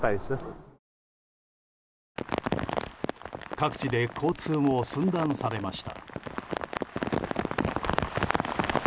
各地で交通も寸断されました。